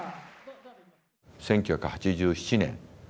１９８７年。